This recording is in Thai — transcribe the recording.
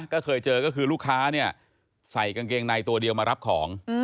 ก็เคยเจอก็คือลูกค้าเนี่ยใส่กางเกงในตัวเดียวมารับของ